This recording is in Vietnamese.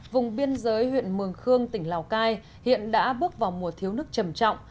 vùng biên giới huyện mường khương tỉnh lào cai hiện đã bước vào mùa thiếu nước trầm trọng